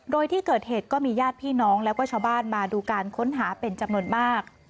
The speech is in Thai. โดยที่เกิดเหตุก็มีญาติพี่น้องแล้วก็ชาวบ้านมาดูการค้นหาเป็นจำนวนมาก